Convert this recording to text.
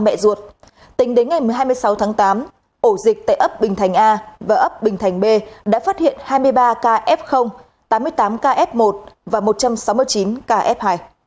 sau mẹ ruột tính đến ngày hai mươi sáu tháng tám ổ dịch tại ấp bình thành a và ấp bình thành b đã phát hiện hai mươi ba kf tám mươi tám kf một và một trăm sáu mươi chín kf hai